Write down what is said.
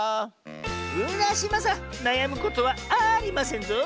うらしまさんなやむことはありませんぞ。